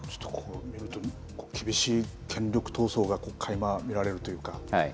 厳しい権力闘争がかいま見られるというか。